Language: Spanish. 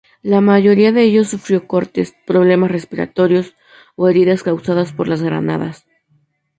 La mayoría de ellos sufrió cortes, problemas respiratorios, o heridas causadas por las granadas.